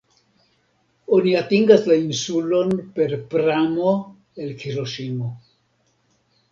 Oni atingas la insulon per pramo el Hiroŝimo.